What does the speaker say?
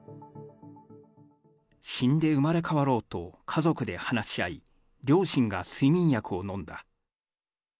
死んで生まれ変わろうと家族で話し合い、両親が睡眠薬を飲んだ。